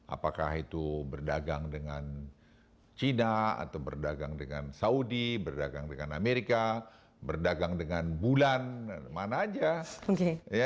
apakah itu berdagang dengan china atau berdagang dengan saudi berdagang dengan amerika berdagang dengan bulan mana aja